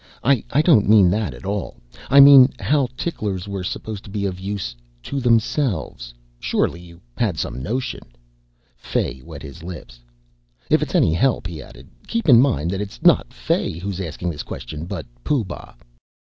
"I don't mean that at all. I mean how ticklers were supposed to be of use to themselves. Surely you had some notion." Fay wet his lips. "If it's any help," he added, "keep in mind that it's not Fay who's asking this question, but Pooh Bah."